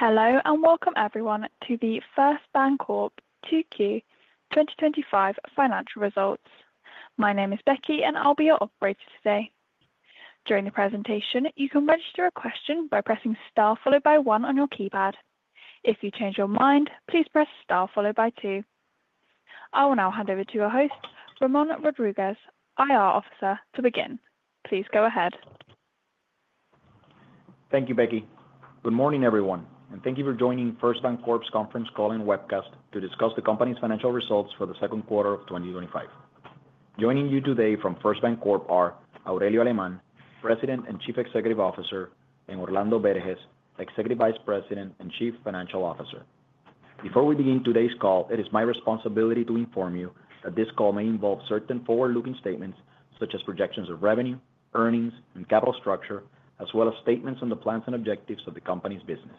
Hello and welcome, everyone, to the First BanCorp 2Q 2025 financial results. My name is Becky, and I'll be your operator today. During the presentation, you can register a question by pressing *one on your keypad. If you change your mind, please press *two. I will now hand over to your host, Ramon Rodríguez, IR Officer, to begin. Please go ahead. Thank you, Becky. Good morning, everyone, and thank you for joining First BanCorp's conference call and webcast to discuss the company's financial results for the second quarter of 2025. Joining you today from First BanCorp are Aurelio Alemán, President and Chief Executive Officer, and Orlando Berges-González, Executive Vice President and Chief Financial Officer. Before we begin today's call, it is my responsibility to inform you that this call may involve certain forward-looking statements, such as projections of revenue, earnings, and capital structure, as well as statements on the plans and objectives of the company's business.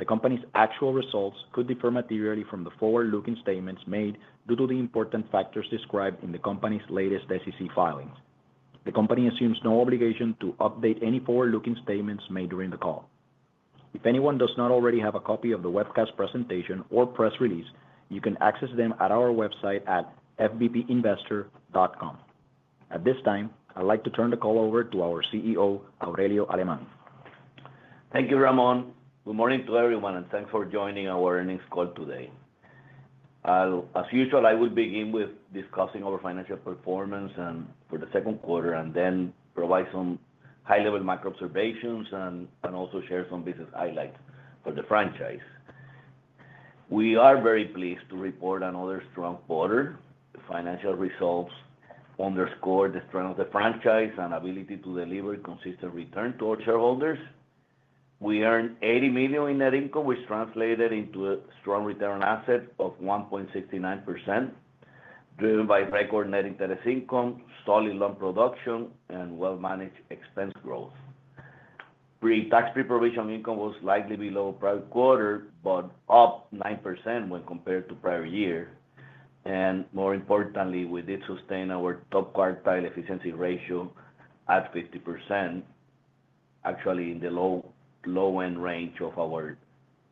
The company's actual results could differ materially from the forward-looking statements made due to the important factors described in the company's latest SEC filings. The company assumes no obligation to update any forward-looking statements made during the call. If anyone does not already have a copy of the webcast presentation or press release, you can access them at our website at fbpinvestor.com. At this time, I'd like to turn the call over to our CEO, Aurelio Alemán. Thank you, Ramon. Good morning to everyone, and thanks for joining our earnings call today. As usual, I will begin with discussing our financial performance for the second quarter and then provide some high-level macro observations and also share some business highlights for the franchise. We are very pleased to report another strong quarter. The financial results underscore the strength of the franchise and the ability to deliver a consistent return to our shareholders. We earned $80 million in net income, which translated into a strong return on assets of 1.69%, driven by record net interest income, solid loan production, and well-managed expense growth. Pre-tax pre-provision income was slightly below prior quarter, but up 9% when compared to the prior year. More importantly, we did sustain our top quartile efficiency ratio at 50%, actually in the low-end range of our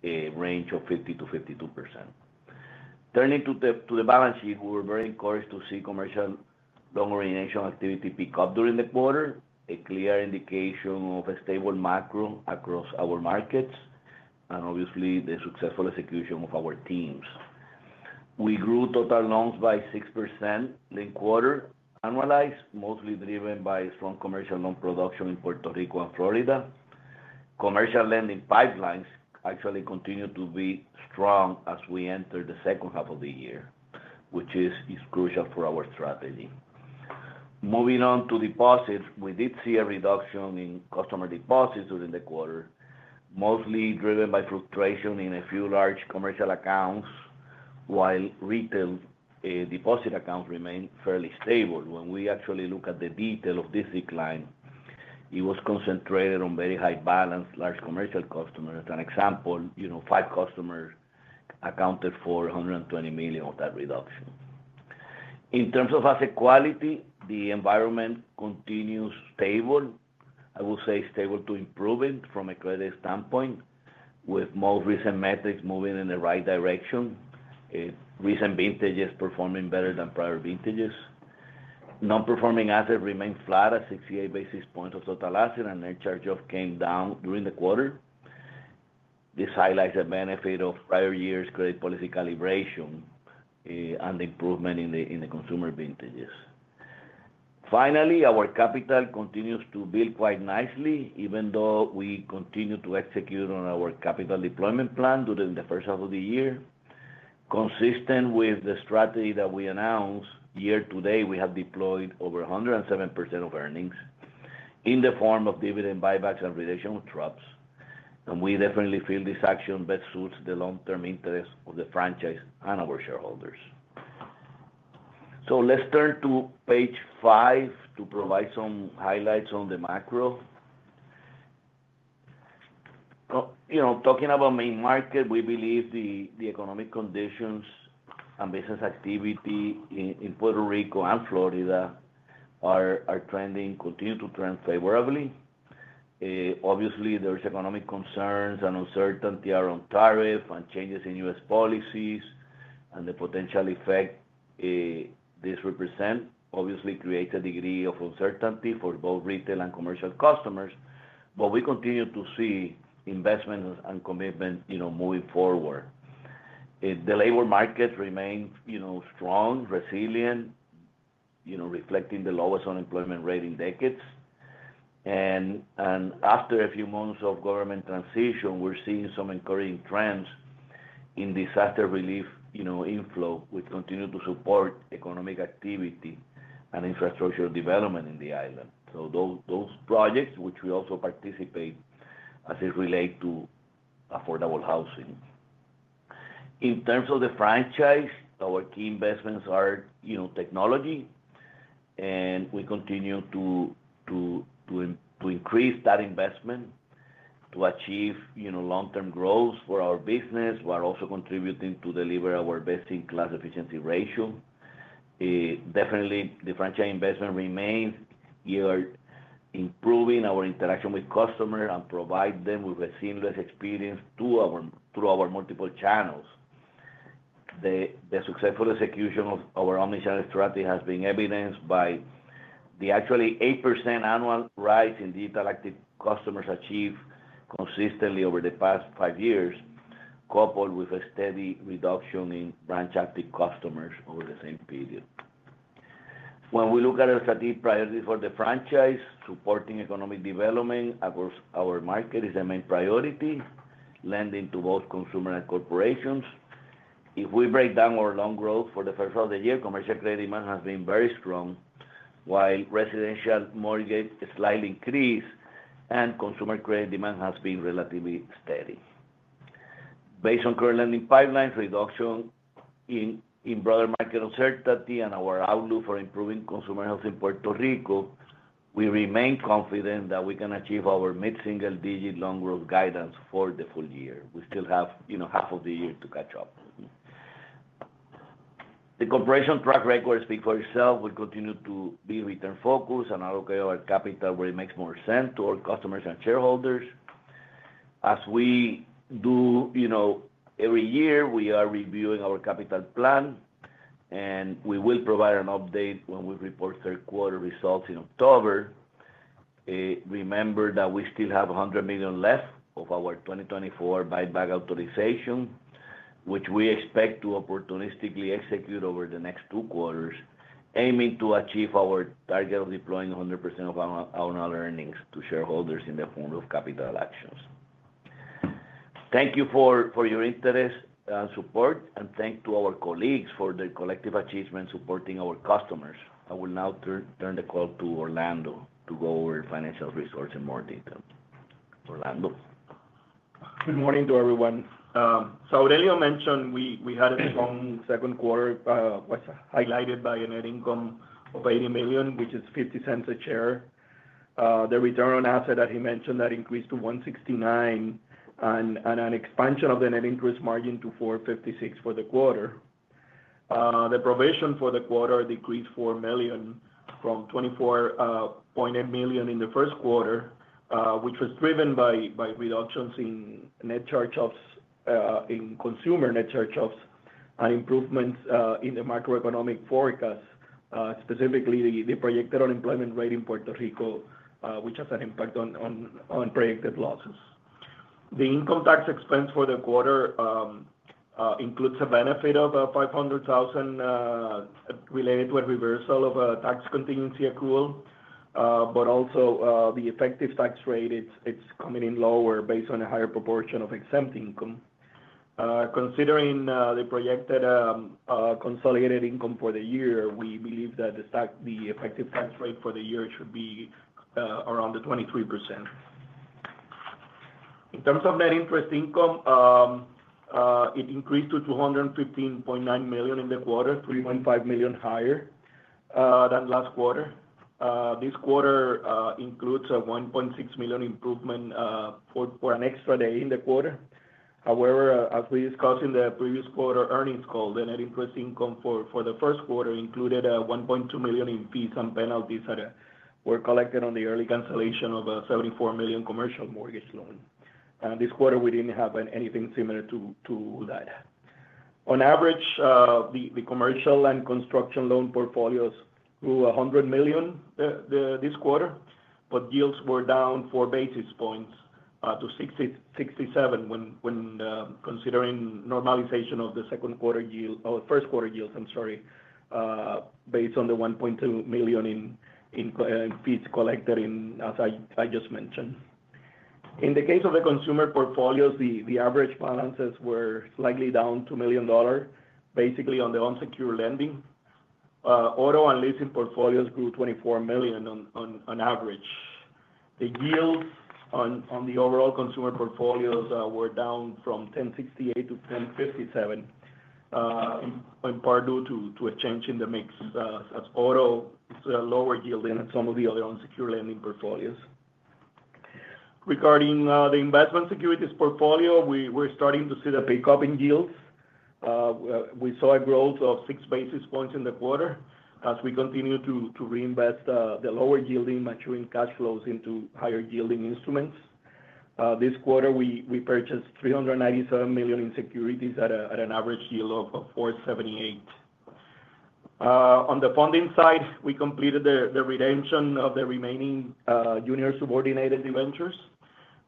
range of 50-52%. Turning to the balance sheet, we were very encouraged to see commercial loan origination activity pick up during the quarter, a clear indication of a stable macro across our markets, and obviously, the successful execution of our teams. We grew total loans by 6% in the quarter annualized, mostly driven by strong commercial loan production in Puerto Rico and Florida. Commercial lending pipelines actually continue to be strong as we enter the second half of the year, which is crucial for our strategy. Moving on to deposits, we did see a reduction in customer deposits during the quarter, mostly driven by fluctuation in a few large commercial accounts, while retail deposit accounts remain fairly stable. When we actually look at the detail of this decline, it was concentrated on very high-balanced large commercial customers. For example, five customers accounted for $120 million of that reduction. In terms of asset quality, the environment continues stable. I would say stable to improving from a credit standpoint, with most recent metrics moving in the right direction. Recent vintages performing better than prior vintages. Non-performing assets remain flat at 68 basis points of total assets, and net charge-offs came down during the quarter. This highlights the benefit of prior year's credit policy calibration and the improvement in the consumer vintages. Finally, our capital continues to build quite nicely, even though we continue to execute on our capital deployment plan during the first half of the year. Consistent with the strategy that we announced, year to date, we have deployed over 107% of earnings in the form of dividend buybacks and relational drops. We definitely feel this action best suits the long-term interests of the franchise and our shareholders. Let's turn to page five to provide some highlights on the macro. Talking about the main market, we believe the economic conditions and business activity in Puerto Rico and Florida are trending, continue to trend favorably. Obviously, there are economic concerns and uncertainty around tariffs and changes in U.S. policies and the potential effect this represents. It creates a degree of uncertainty for both retail and commercial customers, but we continue to see investments and commitments moving forward. The labor market remains strong, resilient, reflecting the lowest unemployment rate in decades. After a few months of government transition, we're seeing some encouraging trends in disaster relief inflow, which continue to support economic activity and infrastructure development in the island. Those projects, which we also participate as they relate to affordable housing. In terms of the franchise, our key investments are technology, and we continue to increase that investment to achieve long-term growth for our business while also contributing to deliver our best-in-class efficiency ratio. The franchise investment remains improving our interaction with customers and provides them with a seamless experience through our multiple channels. The successful execution of our omnichannel strategy has been evidenced by the actually 8% annual rise in digital active customers achieved consistently over the past five years, coupled with a steady reduction in branch active customers over the same period. When we look at our strategic priorities for the franchise, supporting economic development across our market is the main priority, lending to both consumer and corporations. If we break down our loan growth for the first half of the year, commercial credit demand has been very strong, while residential mortgage has slightly increased, and consumer credit demand has been relatively steady. Based on current lending pipelines, reduction in broader market uncertainty, and our outlook for improving consumer health in Puerto Rico, we remain confident that we can achieve our mid-single-digit loan growth guidance for the full year. We still have half of the year to catch up. The corporation track record speaks for itself. We continue to be return-focused and allocate our capital where it makes more sense to our customers and shareholders. As we do every year, we are reviewing our capital plan, and we will provide an update when we report third-quarter results in October. Remember that we still have $100 million left of our 2024 buyback authorization, which we expect to opportunistically execute over the next two quarters, aiming to achieve our target of deploying 100% of our annual earnings to shareholders in the form of capital actions. Thank you for your interest and support, and thanks to our colleagues for their collective achievement supporting our customers. I will now turn the call to Orlando to go over financial results in more detail. Orlando. Good morning to everyone. As Aurelio mentioned, we had a strong second quarter that was highlighted by a net income of $80 million, which is $0.50 a share. The return on assets that he mentioned increased to 1.69% and an expansion of the net interest margin to 4.56% for the quarter. The provision for the quarter decreased $4 million from $24.8 million in the first quarter, which was driven by reductions in net charge-offs of consumer loans and improvements in the macroeconomic forecast, specifically the projected unemployment rate in Puerto Rico, which has an impact on projected losses. The income tax expense for the quarter includes a benefit of $500,000 related to a reversal of a tax contingency accrual, but also the effective tax rate is coming in lower based on a higher proportion of exempt income. Considering the projected consolidated income for the year, we believe that the effective tax rate for the year should be around 23%. In terms of net interest income, it increased to $215.9 million in the quarter, $3.5 million higher than last quarter. This quarter includes a $1.6 million improvement for an extra day in the quarter. However, as we discussed in the previous quarter earnings call, the net interest income for the first quarter included $1.2 million in fees and penalties that were collected on the early cancellation of a $74 million commercial mortgage loan. This quarter, we didn't have anything similar to that. On average, the commercial and construction loan portfolios grew $100 million this quarter, but yields were down four basis points to 67% when considering normalization of the second quarter yield or first quarter yields, based on the $1.2 million in fees collected, as I just mentioned. In the case of the consumer portfolios, the average balances were slightly down $2 million, basically on the unsecured lending. Auto and leasing portfolios grew $24 million on average. The yields on the overall consumer portfolios were down from 10.68% to 10.57%, in part due to a change in the mix, as auto is a lower yield than some of the other unsecured lending portfolios. Regarding the investment securities portfolio, we're starting to see the pickup in yields. We saw a growth of six basis points in the quarter as we continue to reinvest the lower yielding maturing cash flows into higher yielding instruments. This quarter, we purchased $397 million in securities at an average yield of 4.78%. On the funding side, we completed the redemption of the remaining junior subordinated debentures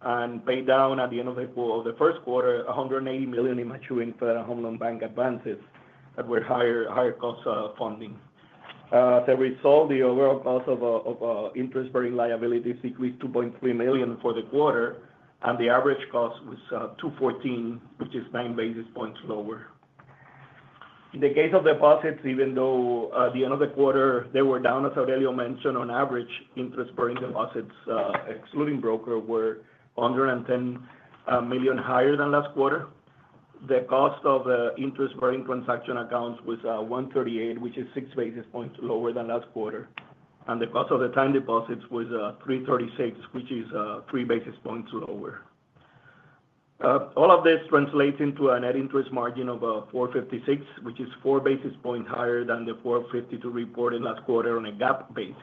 and paid down at the end of the first quarter $180 million in maturing Home Loan Bank advances that were higher costs of funding. As a result, the overall cost of interest-bearing liabilities decreased $2.3 million for the quarter, and the average cost was $214, which is nine basis points lower. In the case of deposits, even though at the end of the quarter they were down, as Aurelio Alemán mentioned, on average, interest-bearing deposits, excluding broker, were $110 million higher than last quarter. The cost of interest-bearing transaction accounts was $138, which is six basis points lower than last quarter, and the cost of the time deposits was $336, which is three basis points lower. All of this translates into a net interest margin of $456, which is four basis points higher than the $452 reported last quarter on a GAAP basis.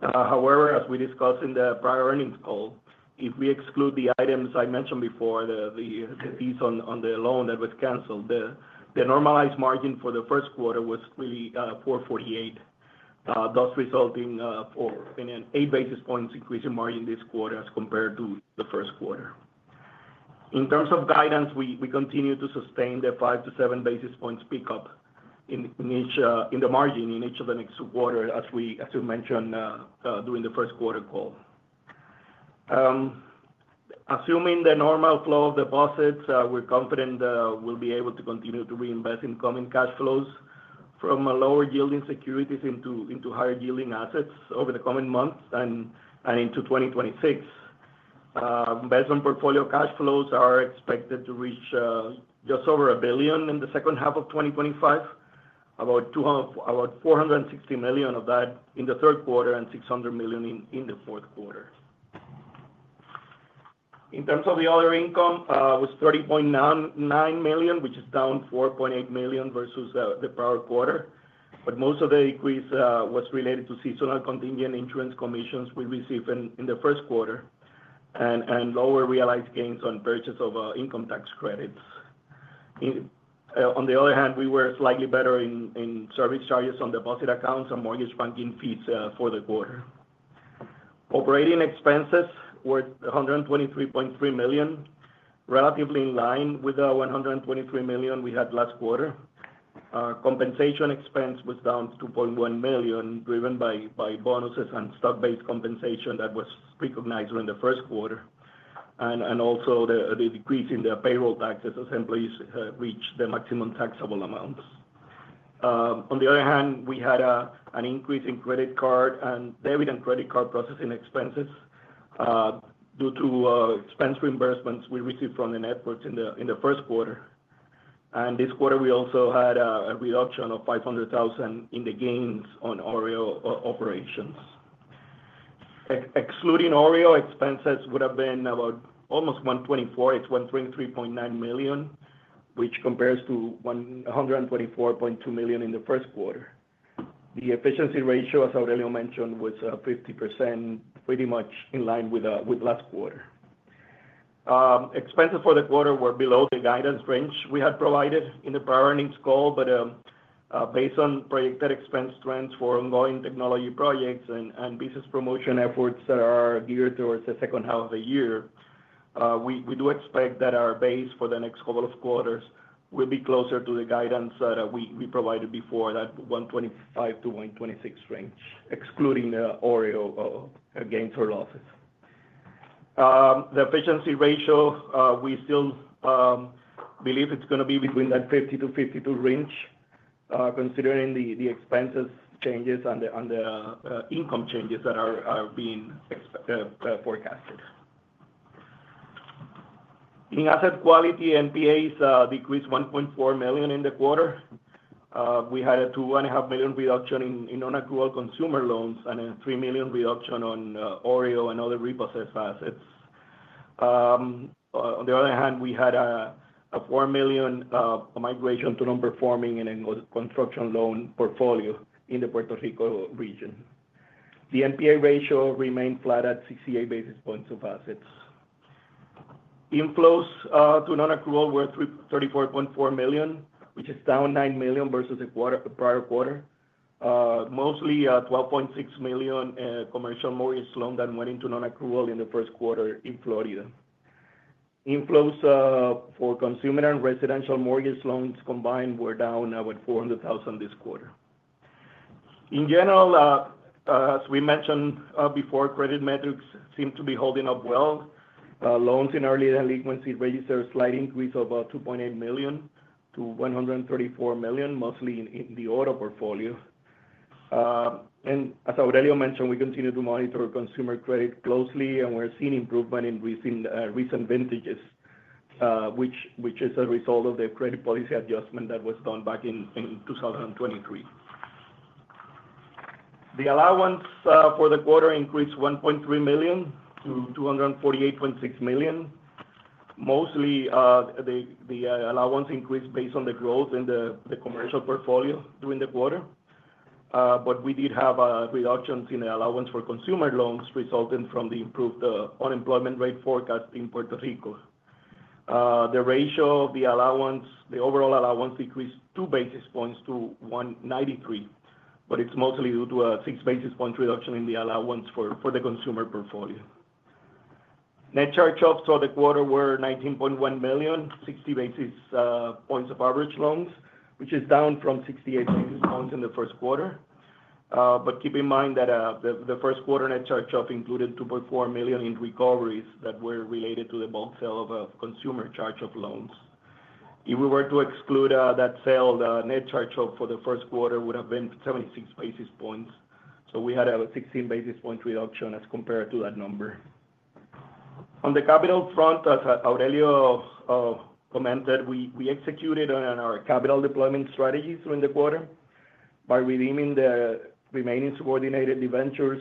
However, as we discussed in the prior earnings call, if we exclude the items I mentioned before, the fees on the loan that was canceled, the normalized margin for the first quarter was really $448, thus resulting in an eight basis points increase in margin this quarter as compared to the first quarter. In terms of guidance, we continue to sustain the five to seven basis points pickup in the margin in each of the next two quarters, as we mentioned during the first quarter call. Assuming the normal flow of deposits, we're confident that we'll be able to continue to reinvest in common cash flows from lower yielding securities into higher yielding assets over the coming months and into 2026. Investment portfolio cash flows are expected to reach just over $1 billion in the second half of 2025, about $460 million of that in the third quarter and $600 million in the fourth quarter. In terms of the other income, it was $30.99 million, which is down $4.8 million versus the prior quarter, but most of the increase was related to seasonal contingent insurance commissions we received in the first quarter and lower realized gains on purchase of income tax credits. On the other hand, we were slightly better in service charges on deposit accounts and mortgage banking fees for the quarter. Operating expenses were $123.3 million, relatively in line with the $123 million we had last quarter. Compensation expense was down to $2.1 million, driven by bonuses and stock-based compensation that was recognized during the first quarter, and also the decrease in the payroll taxes as employees reached the maximum taxable amounts. On the other hand, we had an increase in credit card and debit card processing expenses due to expense reimbursements we received from the networks in the first quarter. This quarter, we also had a reduction of $500,000 in the gains on OREO operations. Excluding OREO, expenses would have been about almost $124 million. It's $133.9 million, which compares to $124.2 million in the first quarter. The efficiency ratio, as Aurelio Alemán mentioned, was 50%, pretty much in line with last quarter. Expenses for the quarter were below the guidance range we had provided in the prior earnings call, but based on projected expense trends for ongoing technology projects and business promotion efforts that are geared towards the second half of the year, we do expect that our base for the next couple of quarters will be closer to the guidance that we provided before, that $125 million-$126 million range, excluding the OREO gains or losses. The efficiency ratio, we still believe it's going to be between that 50%-52% range, considering the expenses changes and the income changes that are being forecasted. In asset quality, NPAs decreased $1.4 million in the quarter. We had a $2.5 million reduction in non-accrual consumer loans and a $3 million reduction on OREO and other repurchased assets. On the other hand, we had a $1 million migration to non-performing in the construction loan portfolio in the Puerto Rico region. The NPA ratio remained flat at 68 basis points of assets. Inflows to non-accrual were $34.4 million, which is down $9 million versus the prior quarter. Mostly $12.6 million commercial mortgage loans that went into non-accrual in the first quarter in Florida. Inflows for consumer and residential mortgage loans combined were down about $400,000 this quarter. In general, as we mentioned before, credit metrics seem to be holding up well. Loans in early delinquency registered a slight increase of about $2.8 million to $134 million, mostly in the auto portfolio. As Aurelio Alemán mentioned, we continue to monitor consumer credit closely, and we're seeing improvement in recent vintages, which is a result of the credit policy adjustment that was done back in 2023. The allowance for the quarter increased $1.3 million to $248.6 million. Mostly, the allowance increased based on the growth in the commercial portfolio during the quarter, but we did have reductions in the allowance for consumer loans resulting from the improved unemployment rate forecast in Puerto Rico. The ratio of the allowance, the overall allowance decreased two basis points to $193 million, but it's mostly due to a six basis points reduction in the allowance for the consumer portfolio. Net charge-offs for the quarter were $19.1 million, 60 basis points of average loans, which is down from 68 basis points in the first quarter. Keep in mind that the first quarter net charge-offs included $2.4 million in recoveries that were related to the bulk sale of consumer charge-off loans. If we were to exclude that sale, the net charge-offs for the first quarter would have been 76 basis points. We had a 16 basis point reduction as compared to that number. On the capital front, as Aurelio Alemán commented, we executed on our capital deployment strategy during the quarter by redeeming the remaining subordinated debentures,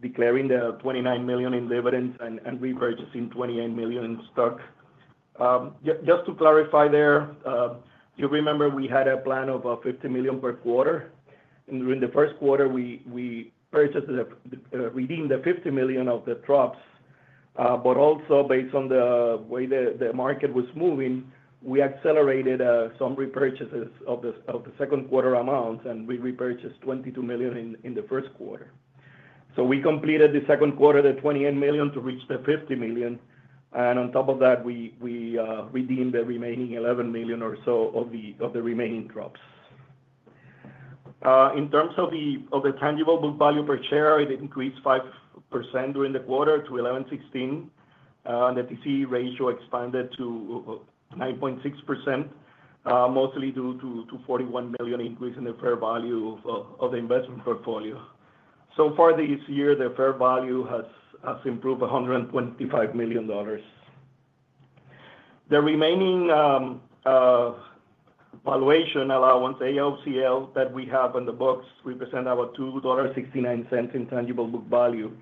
declaring the $29 million in dividends, and repurchasing $28 million in stock. Just to clarify there, you remember we had a plan of $50 million per quarter. During the first quarter, we redeemed the $50 million of the debentures, but also based on the way the market was moving, we accelerated some repurchases of the second quarter amounts, and we repurchased $22 million in the first quarter. We completed the second quarter with the $28 million to reach the $50 million. On top of that, we redeemed the remaining $11 million or so of the remaining debentures. In terms of the tangible book value per share, it increased 5% during the quarter to $11.16. The TCE ratio expanded to 9.6%, mostly due to a $41 million increase in the fair value of the investment portfolio. So far this year, the fair value has improved $125 million. The remaining valuation allowance ALCL that we have on the books represents about $2.69 in tangible book value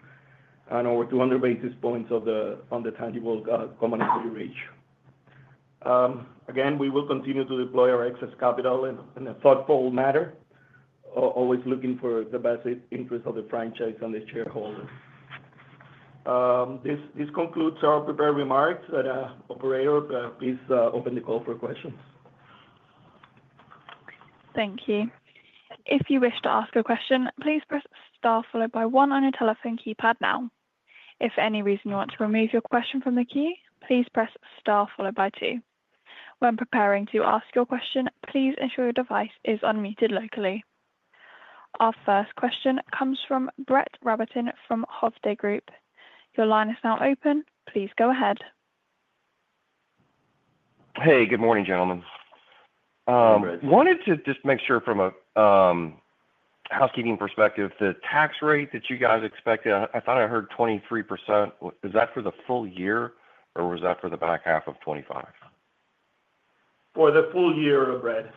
and over 200 basis points on the tangible common equity ratio. Again, we will continue to deploy our excess capital in a thoughtful manner, always looking for the best interests of the franchise and the shareholders. This concludes our prepared remarks. Operator, please open the call for questions. Thank you. If you wish to ask a question, please press *one on your telephone keypad now. If for any reason you want to remove your question from the queue, please press *two. When preparing to ask your question, please ensure your device is unmuted locally. Our first question comes from Brett Rabatin from Hovde Group. Your line is now open. Please go ahead. Hey, good morning, gentlemen. I wanted to just make sure from a housekeeping perspective, the tax rate that you guys expected, I thought I heard 23%. Is that for the full year, or was that for the back half of 2025? For the full year, Brett,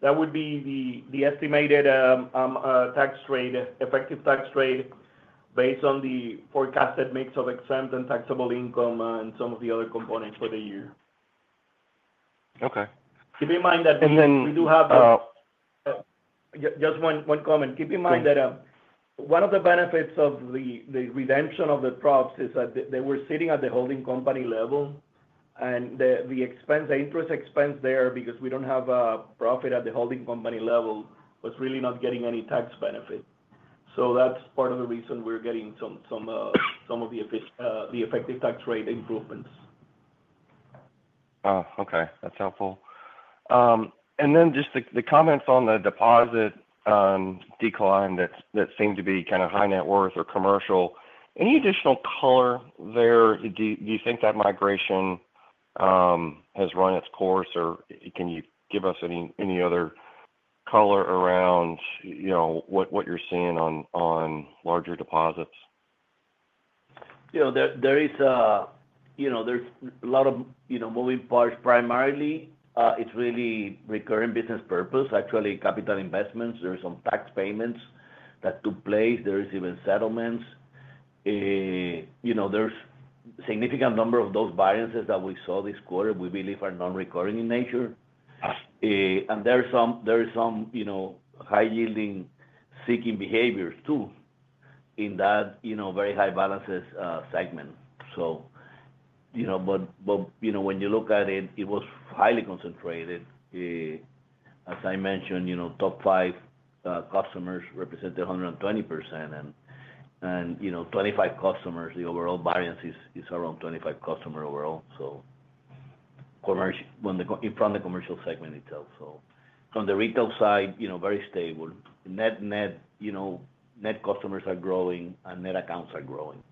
that would be the estimated tax rate, effective tax rate, based on the forecasted mix of exempt and taxable income, and some of the other components for the year. Okay. Keep in mind that we do have just one comment. Go ahead. Keep in mind that one of the benefits of the redemption of the drops is that they were sitting at the holding company level, and the interest expense there, because we don't have a profit at the holding company level, was really not getting any tax benefit. That's part of the reason we're getting some of the effective tax rate improvements. Okay. That's helpful. The comments on the deposit decline that seemed to be kind of high net worth or commercial, any additional color there? Do you think that migration has run its course, or can you give us any other color around what you're seeing on larger deposits? There is a lot of moving parts primarily. It's really recurring business purpose, actually, capital investments. There are some tax payments that took place. There are even settlements. There's a significant number of those balances that we saw this quarter we believe are non-recurring in nature. There are some high-yielding seeking behaviors too in that very high balances segment. When you look at it, it was highly concentrated. As I mentioned, top five customers represented 120%. Twenty-five customers, the overall variance is around 25 customers overall, in front of the commercial segment itself. From the retail side, very stable. Net, net, net customers are growing and net accounts are growing,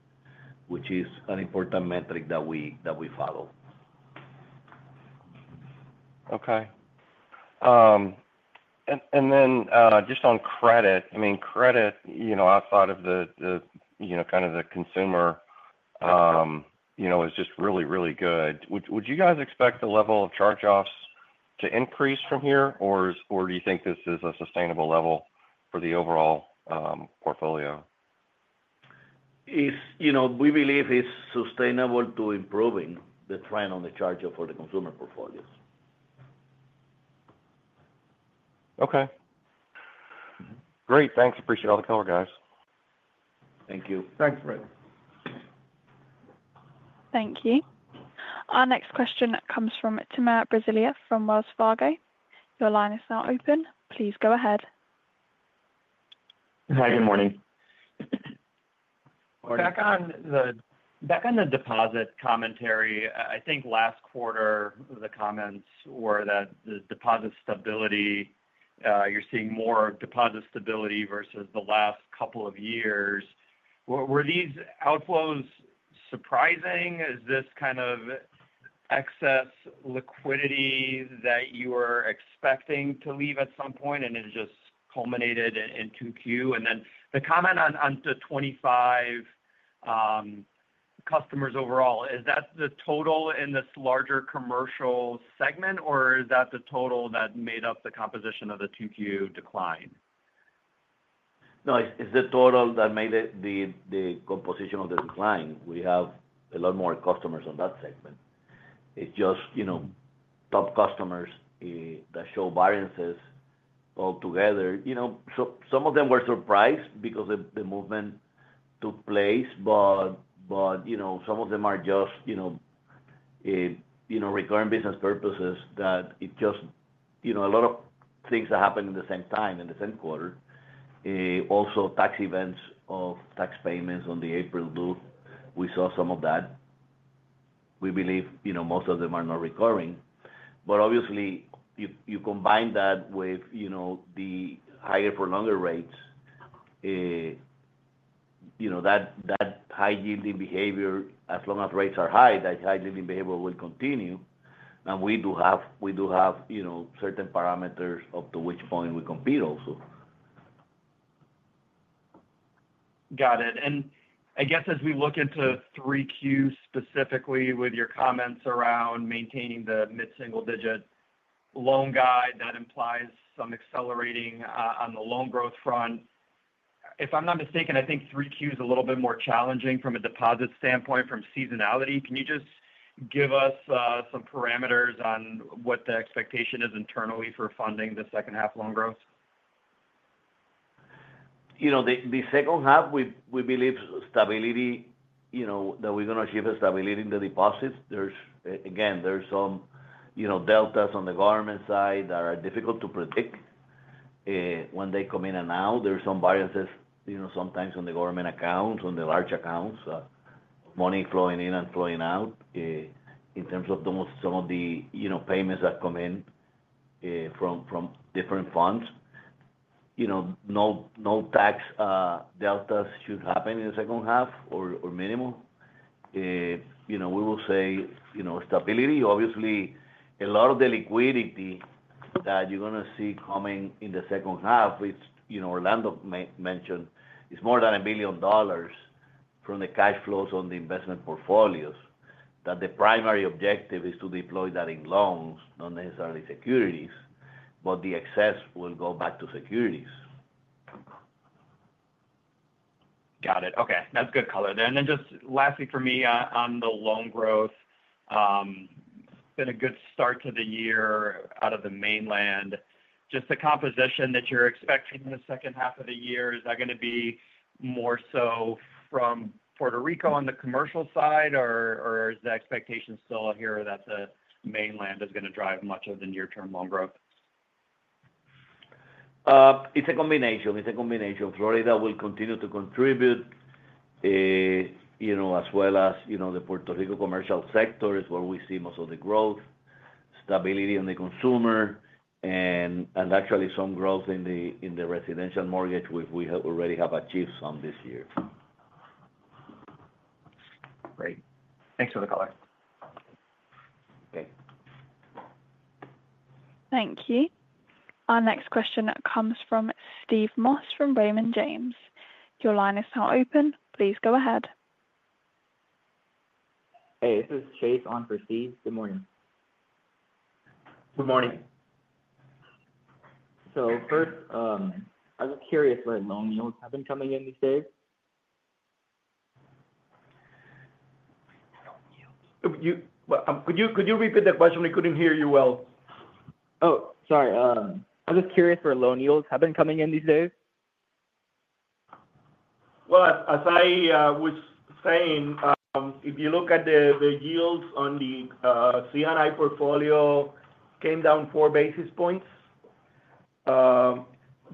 which is an important metric that we follow. Okay. Just on credit, credit outside of the consumer is just really, really good. Would you guys expect the level of charge-offs to increase from here, or do you think this is a sustainable level for the overall portfolio? We believe it's sustainable to improve the trend on the charge-offs for the consumer portfolios. Okay. Great. Thanks. Appreciate all the color, guys. Thank you. Thanks, Brett. Thank you. Our next question comes from Timur Braziler from Wells Fargo. Your line is now open. Please go ahead. Hi, good morning. Back on the deposit commentary, I think last quarter, the comments were that the deposit stability, you're seeing more deposit stability versus the last couple of years. Were these outflows surprising? Is this kind of excess liquidity that you were expecting to leave at some point, and it just culminated in 2Q? The comment on the 25 customers overall, is that the total in this larger commercial segment, or is that the total that made up the composition of the 2Q decline? No, it's the total that made it the composition of the decline. We have a lot more customers on that segment. It's just, you know, top customers that show variances altogether. Some of them were surprised because the movement took place, but some of them are just recurring business purposes that it just, you know, a lot of things that happened at the same time in the same quarter. Also, tax events of tax payments on the April booth, we saw some of that. We believe most of them are not recurring. Obviously, you combine that with the higher for longer rates, that high-yielding behavior, as long as rates are high, that high-yielding behavior will continue. We do have certain parameters up to which point we compete also. Got it. I guess as we look into 3Q specifically with your comments around maintaining the mid-single-digit loan guide, that implies some accelerating on the loan growth front. If I'm not mistaken, I think 3Q is a little bit more challenging from a deposit standpoint from seasonality. Can you just give us some parameters on what the expectation is internally for funding the second half loan growth? The second half, we believe stability, that we're going to achieve a stability in the deposits. There are some deltas on the government side that are difficult to predict when they come in and out. There are some variances sometimes on the government accounts, on the large accounts, money flowing in and flowing out in terms of some of the payments that come in from different funds. No tax deltas should happen in the second half or minimal. We will say stability. Obviously, a lot of the liquidity that you're going to see coming in the second half, which Orlando Berges-González mentioned, is more than $1 billion from the cash flows on the investment portfolios. The primary objective is to deploy that in loans, not necessarily securities, but the excess will go back to securities. Got it. Okay. That's good color. Lastly, for me on the loan growth, it's been a good start to the year out of the mainland. Just the composition that you're expecting in the second half of the year, is that going to be more so from Puerto Rico on the commercial side, or is the expectation still here that the mainland is going to drive much of the near-term loan growth? It's a combination. Florida will continue to contribute, as well as the Puerto Rico commercial sector is where we see most of the growth, stability on the consumer, and actually some growth in the residential mortgage, which we already have achieved some this year. Great. Thanks for the color. Okay. Thank you. Our next question comes from Steve Moss from Raymond James. Your line is now open. Please go ahead. Hey, this is Chase on for Steve. Good morning. Good morning. I was just curious what loan yields have been coming in these days. Could you repeat that question? We couldn't hear you well. Sorry, I was just curious where loan yields have been coming in these days. If you look at the yields on the CNI portfolio, it came down four basis points.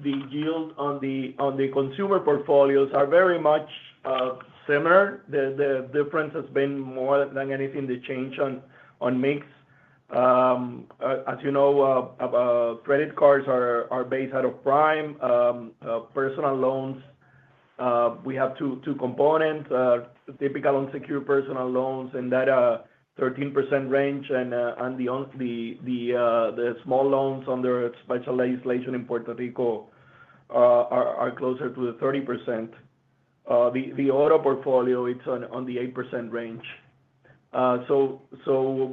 The yield on the consumer portfolios are very much similar. The difference has been more than anything the change on mix. As you know, credit cards are based out of prime. Personal loans, we have two components: typical unsecured personal loans in that 13% range, and the small loans under special legislation in Puerto Rico are closer to 30%. The auto portfolio, it's on the 8% range.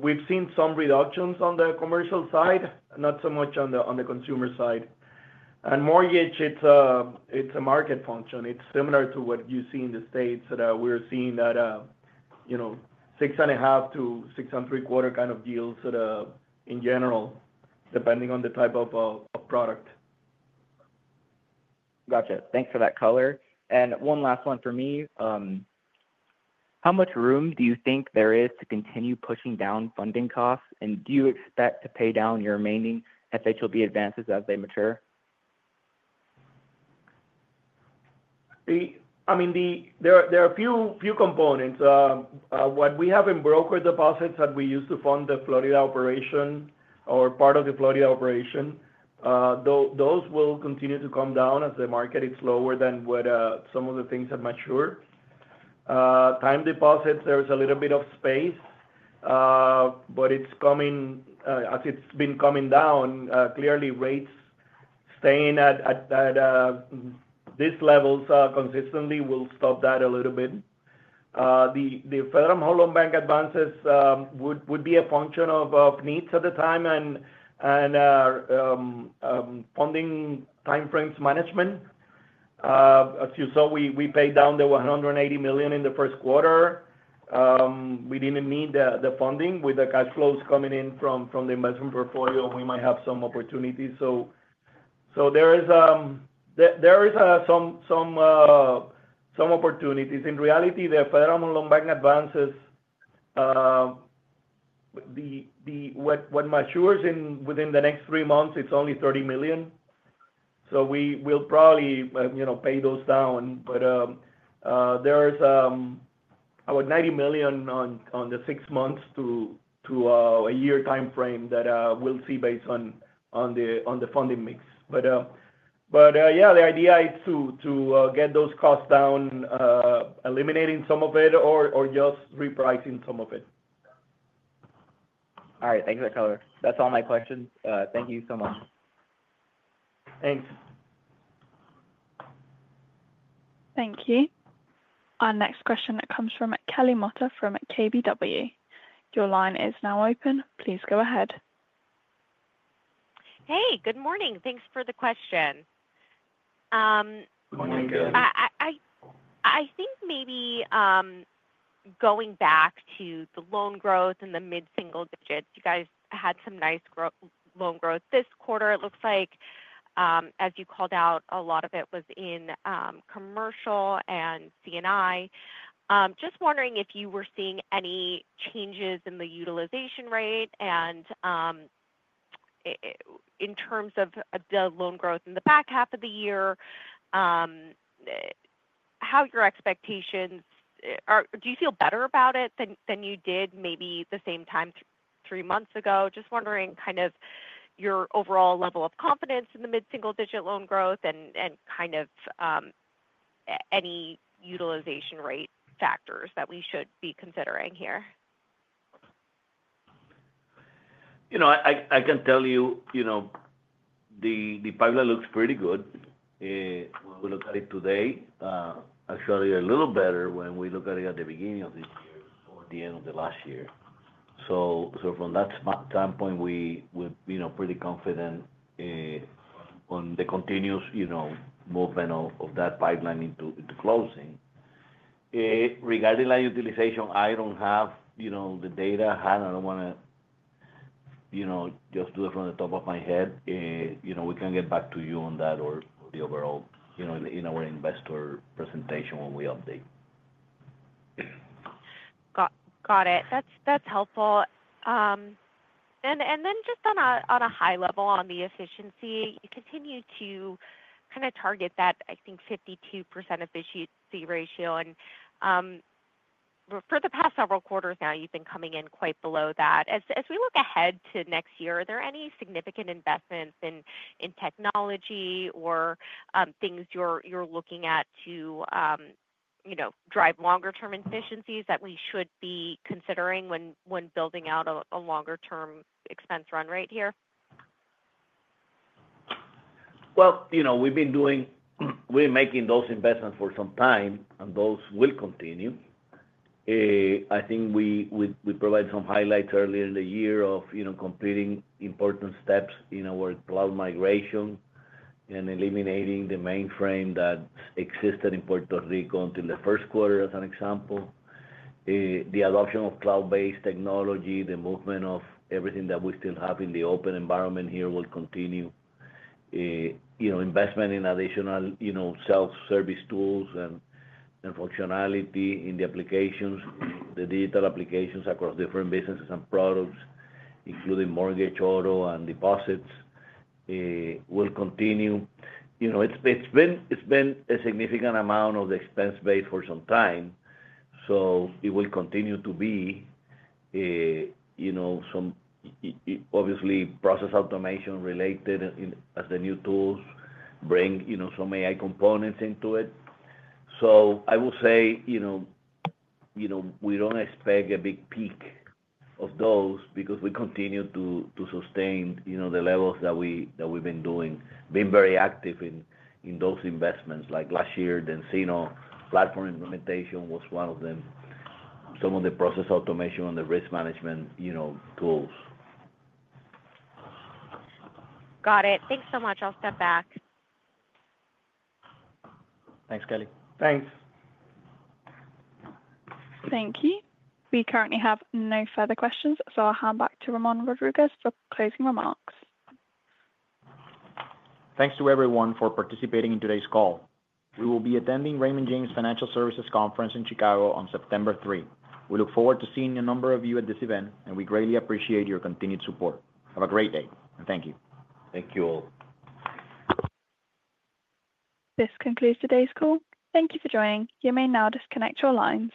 We've seen some reductions on the commercial side, not so much on the consumer side. Mortgage, it's a market function. It's similar to what you see in the States. We're seeing that, you know, 6.5% to 6.75% kind of yields in general, depending on the type of product. Gotcha. Thanks for that color. One last one for me. How much room do you think there is to continue pushing down funding costs, and do you expect to pay down your remaining FHLB advances as they mature? I mean, there are a few components. What we have in broker deposits that we used to fund the Florida operation or part of the Florida operation, those will continue to come down as the market is lower than what some of the things have matured. Time deposits, there's a little bit of space, but it's coming as it's been coming down. Clearly, rates staying at these levels consistently will stop that a little bit. The Federal Home Loan Bank advances would be a function of needs at the time and funding timeframes management. As you saw, we paid down the $180 million in the first quarter. We didn't need the funding. With the cash flows coming in from the investment portfolio, we might have some opportunities. There are some opportunities. In reality, the Federal Home Loan Bank advances, what matures within the next three months, it's only $30 million. We'll probably, you know, pay those down. There's about $90 million on the six months to a year timeframe that we'll see based on the funding mix. The idea is to get those costs down, eliminating some of it or just repricing some of it. All right. Thanks for the color. That's all my questions. Thank you so much. Thanks. Thank you. Our next question comes from Kelly Motta from KBW. Your line is now open. Please go ahead. Hey, good morning. Thanks for the question. Morning. I think maybe going back to the loan growth and the mid-single digits, you guys had some nice loan growth this quarter. It looks like, as you called out, a lot of it was in commercial and C&I. Just wondering if you were seeing any changes in the utilization rate, and in terms of the loan growth in the back half of the year, how your expectations are. Do you feel better about it than you did maybe the same time three months ago? Just wondering your overall level of confidence in the mid-single digit loan growth and any utilization rate factors that we should be considering here. I can tell you the pilot looks pretty good when we look at it today. Actually, a little better when we look at it at the beginning of this year or the end of last year. From that standpoint, we're pretty confident on the continuous movement of that pipeline into closing. Regarding utilization, I don't have the data. I don't want to just do it from the top of my head. We can get back to you on that or the overall in our investor presentation when we update. Got it. That's helpful. Just on a high level on the efficiency, you continue to kind of target that, I think, 52% efficiency ratio. For the past several quarters now, you've been coming in quite below that. As we look ahead to next year, are there any significant investments in technology or things you're looking at to drive longer-term efficiencies that we should be considering when building out a longer-term expense run rate here? We've been doing, we're making those investments for some time, and those will continue. I think we provided some highlights earlier in the year of completing important steps in our cloud migration and eliminating the mainframe that existed in Puerto Rico until the first quarter, as an example. The adoption of cloud-based technology, the movement of everything that we still have in the open environment here will continue. Investment in additional self-service tools and functionality in the applications, the digital applications across different businesses and products, including mortgage, auto, and deposits, will continue. It's been a significant amount of the expense base for some time, so it will continue to be some obviously process automation related as the new tools bring some AI components into it. I will say we don't expect a big peak of those because we continue to sustain the levels that we've been doing, being very active in those investments. Like last year, the Encino platform implementation was one of them, some of the process automation and the risk management tools. Got it. Thanks so much. I'll step back. Thanks, Kelly. Thanks. Thank you. We currently have no further questions, so I'll hand back to Ramon Rodríguez for closing remarks. Thanks to everyone for participating in today's call. We will be attending the Raymond James Financial Services Conference in Chicago on September 3. We look forward to seeing a number of you at this event, and we greatly appreciate your continued support. Have a great day, and thank you. Thank you all. This concludes today's call. Thank you for joining. You may now disconnect your lines.